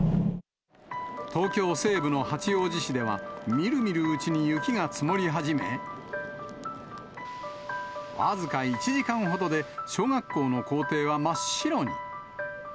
東京西部の八王子市では、みるみるうちに雪が積もり始め、僅か１時間ほどで小学校の校庭は真っ白に。